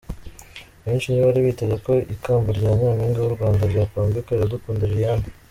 Benshi ntibari biteze ko ikamba rya Nyampinga w’ u Rwanda ryakwambikwa Iradukunda Liliane.